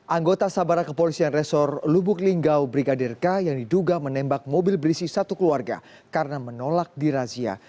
anggota sabara kepolisian resor lubuk linggau brigadir k yang diduga menembak mobil berisi satu keluarga karena menolak dirazia